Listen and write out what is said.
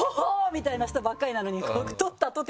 みたいな人ばっかりなのに。